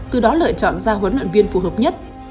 từ đó lựa chọn ra huấn luyện viên phù hợp nhất